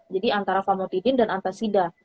jadi antara pamotidin dan antasida